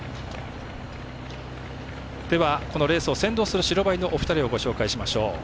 このレースを先導する白バイのお二人をご紹介しましょう。